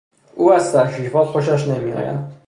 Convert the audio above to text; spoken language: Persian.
او از تشریفات خوشش نمیآید.